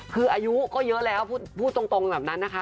คืออายุก็เยอะแล้วพูดตรงแบบนั้นนะคะ